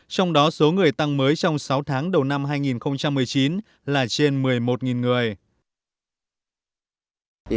trong đó số người tăng mới trong sáu tháng đầu năm hai nghìn một mươi chín là trên một mươi một người